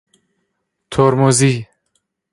ترمزی